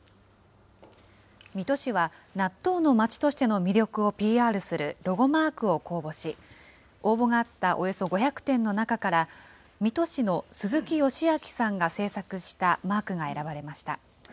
水戸市は、納豆のまちとしての魅力をＰＲするロゴマークを公募し、応募があったおよそ５００点の中から、水戸市の鈴木吉昭さんが制作したマークが選ばれました。